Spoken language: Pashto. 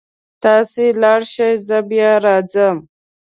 تاسې لاړ شئ زه بیا راځمه